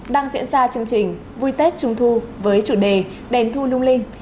đang diễn ra chương trình vui tết trung thu với chủ đề đèn thu lung linh